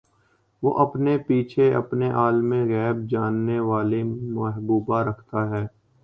وہ اپنے پیچھے اپنی علمِغیب جاننے والی محبوبہ رکھتا ہے